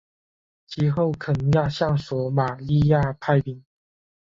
其后肯亚向索马利亚派兵。